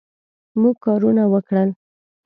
موږ کارونه وکړل